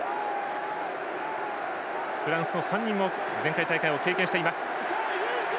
フランスの３人も前回大会を経験しています。